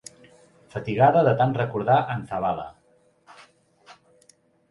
Fatigada de tant recordar en Zabala.